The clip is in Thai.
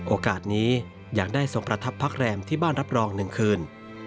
โอกาสนี้อยากได้ทรงประทับพักแรมที่บ้านรับรอง๑คืน